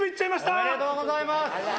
おめでとうございます！